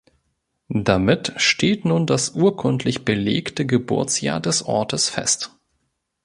Damit steht nun das urkundlich belegte Geburtsjahr des Ortes fest.